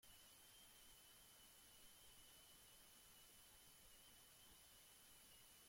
Beti imajinatu dut hori eleberri grafiko animatu baten gisa.